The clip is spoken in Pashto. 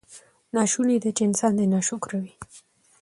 ناشونې ده چې انسان دې ناشکره وي.